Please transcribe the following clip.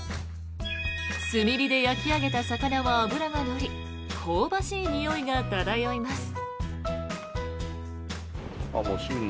炭火で焼き上げた魚は脂が乗り香ばしいにおいが漂います。